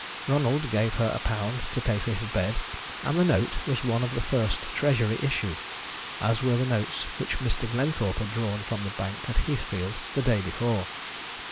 Ronald gave her a pound to pay for his bed, and the note was one of the first Treasury issue, as were the notes which Mr. Glenthorpe had drawn from the bank at Heathfield the day before.